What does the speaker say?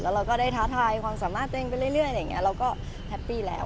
เราก็ได้ท้าทายความสามารถตัวเองไปเรื่อยอะไรอย่างนี้เราก็แฮปปี้แล้ว